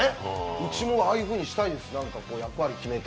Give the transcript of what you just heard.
うちもああいうふうにしたいです、何か役割決めて。